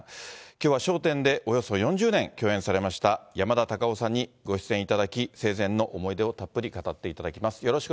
きょうは笑点でおよそ４０年共演されました山田隆夫さんにご出演いただき、生前の思い出をたっぷり語っていただきます。